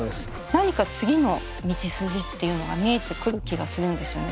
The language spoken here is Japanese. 何か次の道筋っていうのが見えてくる気がするんですよね。